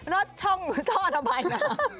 รอดช่องท่อระบายน้ำ